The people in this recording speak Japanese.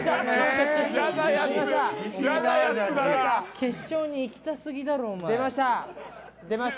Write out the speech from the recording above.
決勝にいきたすぎだろ。